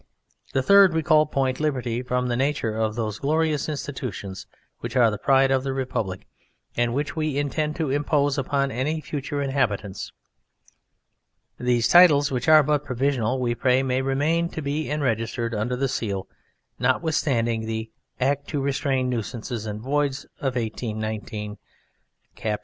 The third we called Point Liberty from the nature of those glorious institutions which are the pride of the Republic and which we intend to impose upon any future inhabitants. These titles, which are but provisional, we pray may remain and be Enregistered under the seal, notwithstanding the "Act to Restrain Nuisances and Voids" of 1819, Cap.